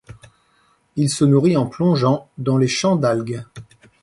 Il se nourrit en plongeant, dans les champs d'algues.